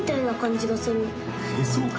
そうか？